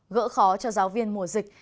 gỡ khó cho giáo viên mùa dịch